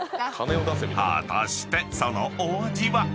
［果たしてそのお味は？］